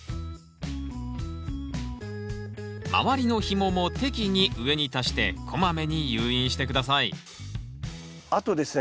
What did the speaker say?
周りのひもも適宜上に足してこまめに誘引して下さいあとですね